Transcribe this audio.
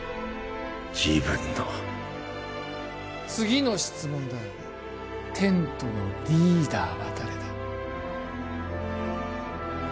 自分の次の質問だテントのリーダーは誰だ？